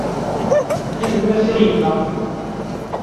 Tanemmirt a yemma.